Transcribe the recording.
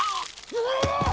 うわ！